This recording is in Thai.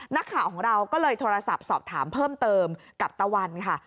นักข่าวของเราก็เลยโทรศัพท์สอบถามเพิ่มเติมกับตะวันค่ะ